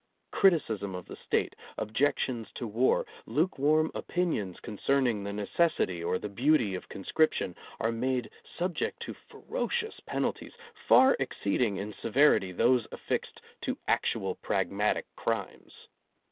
Criticism of the State, objections to war, luke warm opinions concerning the necessity or the beauty of conscription, are made subject to fero cious penalties, far exceeding in severity those affixed to actual pragmatic crimes.